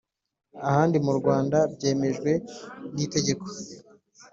ahandi mu Rwanda byemejwe n itegeko